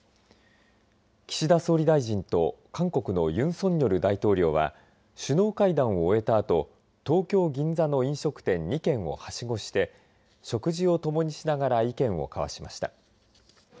岸田総理大臣と韓国のユン・ソンニョル大統領は首脳会談を終えたあと東京・銀座の飲食店２軒をはしごして食事をともにしながら意見を交わしました。